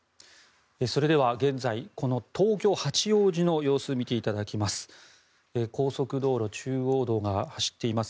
それでは現在の東京・八王子市の様子を見ていただきます。